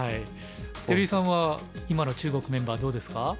照井さんは今の中国メンバーどうですか？